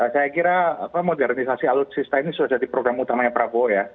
saya kira modernisasi alutsista ini sudah jadi program utamanya prabowo ya